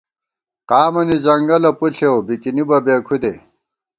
قامَنی ځنگلہ پُݪېؤ ، بِکِنِبہ بے کھُدے